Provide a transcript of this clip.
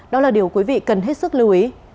đó là điều quý vị cần hết sức lưu ý